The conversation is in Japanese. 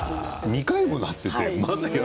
２回もなっている。